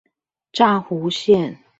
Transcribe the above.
柵湖線